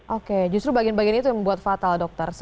oke justru bagian bagian itu yang membuat fatal dokter